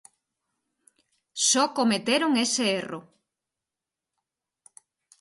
Só cometeron ese erro.